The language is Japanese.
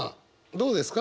どうですか？